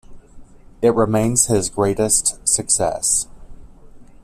It remains his greatest success.